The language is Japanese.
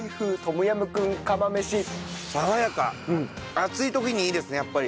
暑い時にいいですねやっぱり。